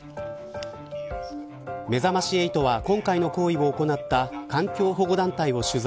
めざまし８は今回の行為を行った環境保護団体を取材。